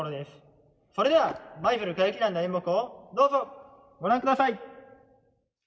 それではまいづる鶴激団の演目をどうぞご覧ください。